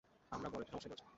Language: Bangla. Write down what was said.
আমরা বড় একটা সমস্যায় পড়েছি।